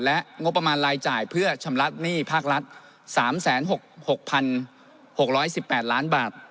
และงบประมาณรายจ่ายเพื่อชำระต้นเงินกู้๓๖๖๖๑๘ล้านบาท